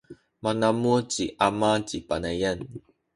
manamuh ci ama ci Panayan.